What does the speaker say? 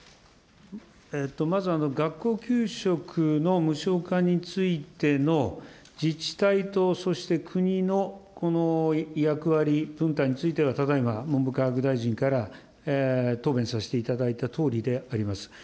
まず学校給食の無償化についての自治体と、そして国の役割分担については、ただいま文部科学大臣から答弁させていただいたとおりであります。